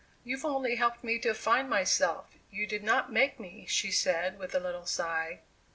"You've only helped me to find myself; you did not make me," she said with a little sigh.